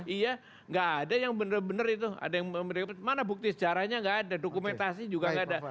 iya gak ada yang bener bener itu ada yang mana bukti sejarahnya gak ada dokumentasi juga gak ada